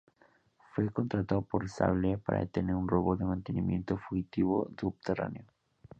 Fue contratado por Sable para detener un robot de mantenimiento fugitivo subterráneo.